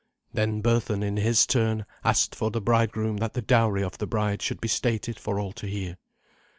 Then Berthun, in his turn, asked for the bridegroom that the dowry of the bride should be stated for all to hear.